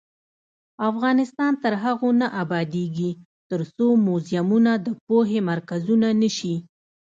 افغانستان تر هغو نه ابادیږي، ترڅو موزیمونه د پوهې مرکزونه نشي.